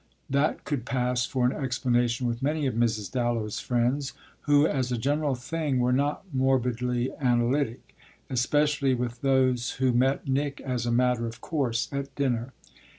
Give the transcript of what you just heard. That could pass for an explanation with many of Mrs. Dallow's friends, who as a general thing were not morbidly analytic; especially with those who met Nick as a matter of course at dinner.